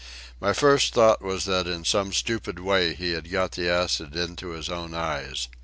My first thought was that in some stupid way he had got the acid into his own eyes.